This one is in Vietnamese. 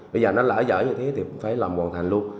bây giờ nó lỡ dở như thế thì phải làm hoàn thành luôn